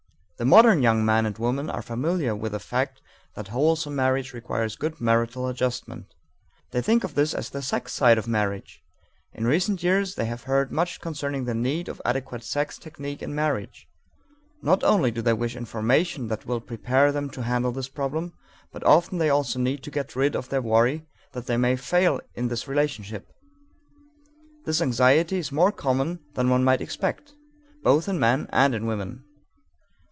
The modern young man and woman are familiar with the fact that wholesome marriage requires good marital adjustment. They think of this as the sex side of marriage. In recent years they have heard much concerning the need of adequate sex technique in marriage. Not only do they wish information that will prepare them to handle this problem, but often they also need to get rid of their worry that they may fail in this relationship. This anxiety is more common than one might expect, both in men and in women.